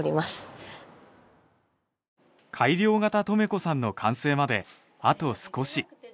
改良型とめこさんの完成まであと少し。